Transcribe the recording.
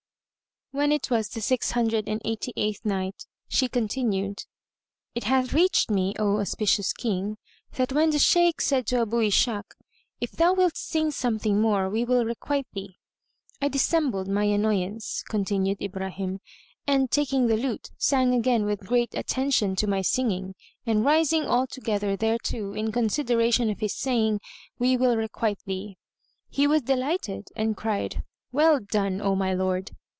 When it was the Six Hundred and Eighty eighth Night, She continued, It hath reached me, O auspicious King, that when the Shaykh said to Abu Ishak, "If thou wilt sing something more we will requite thee," I dissembled my annoyance (continued Ibrahim) and, taking the lute, sang again with great attention to my singing and rising altogether thereto, in consideration of his saying, "We will requite thee." He was delighted, and cried, "Well done, O my lord!"